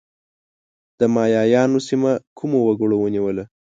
د مایایانو سیمه کومو وګړو ونیوله؟